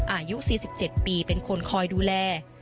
อายุ๔๗ปีเป็นคนคอยดูแล